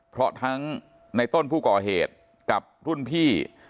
เพราะทั้งในต้นผู้ก่อเหตุกับรุ่นพี่